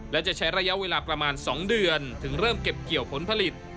และจะใช้ระยะเวลาประมาณ๒เดือนถึงเริ่มเก็บเกี่ยวผลผลิต